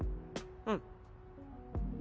うん。